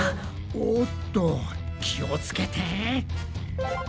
おっと気を付けて！